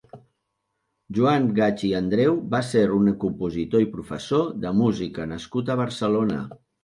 Joan Gaig i Andreu va ser un compositor i professor de música nascut a Barcelona.